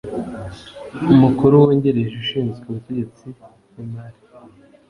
Mukuru Wungirije ushinzwe ubutegetsi n imari